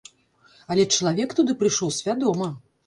Але чалавек туды прыйшоў свядома.